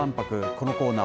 このコーナー